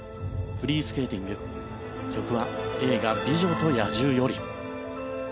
フリースケーティング曲は映画「美女と野獣」より。